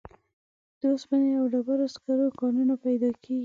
د اوسپنې او ډبرو سکرو کانونه پیدا کیږي.